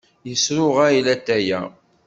Yesruɣay latay-a.